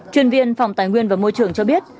chuyên viên phòng tài nguyên và môi trường cho biết